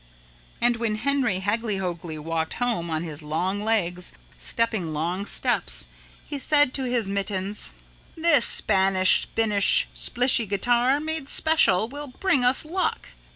And when Henry Hagglyhoagly walked home on his long legs stepping long steps, he said to his mittens, "This Spanish Spinnish Splishy guitar made special will bring us luck."